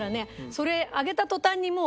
それあげた途端にもう。